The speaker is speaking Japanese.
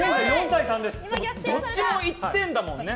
どっちも１点だもんね。